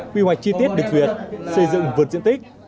quy hoạch chi tiết được duyệt xây dựng vượt diện tích